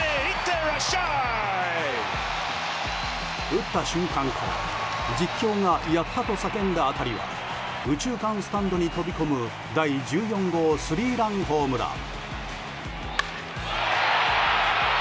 打った瞬間から実況がやった！と叫んだ当たりは右中間スタンドに飛び込む第１４号スリーランホームラン。